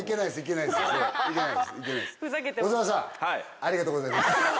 ありがとうございます。